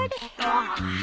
ああ。